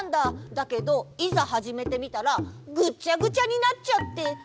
だけどいざはじめてみたらグッチャグチャになっちゃって。